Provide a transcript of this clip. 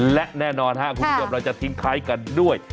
และแน่นอนครับคุณผู้ชมเราจะทิ้งท้ายกันด้วย